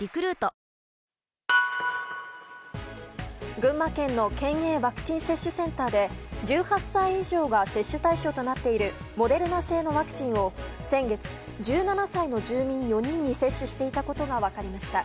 群馬県の県営ワクチン接種センターで１８歳以上が接種対象となっているモデルナ製のワクチンを先月１７歳の住民４人に接種していることが分かりました。